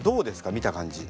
見た感じ。